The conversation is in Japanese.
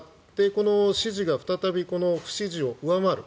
この支持が再び不支持を上回る。